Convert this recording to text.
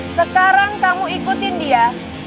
sekarang kamu ikutin dia